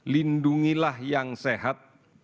lindungilah yang sehat